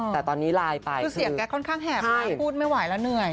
แต่ตอนนี้ไลน์ไปคือเสียงแกค่อนข้างแหบไปพูดไม่ไหวแล้วเหนื่อย